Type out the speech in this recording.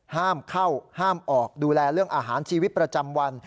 ห้ามเข้าห้ามออกดูแลเรื่องอาหารชีวิตประจำวัน